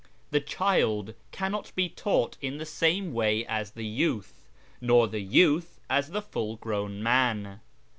The child cannot be taught in the same way as the youth, nor the youth as the full grown man.